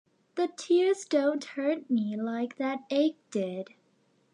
The tears don’t hurt me like that ache did.